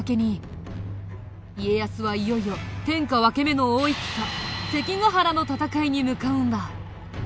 家康はいよいよ天下分け目の大戦関ヶ原の戦いに向かうんだ。